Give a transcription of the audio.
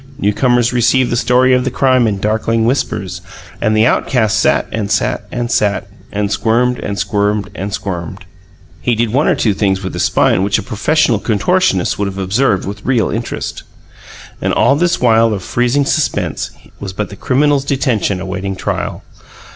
Newcomers received the story of the crime in darkling whispers; and the outcast sat and sat and sat, and squirmed and squirmed and squirmed. (He did one or two things with his spine which a professional contortionist would have observed with real interest.) And all this while of freezing suspense was but the criminal's detention awaiting trial.